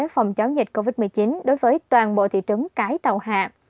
phòng chống dịch covid một mươi chín đối với toàn bộ thị trấn cái tàu hạ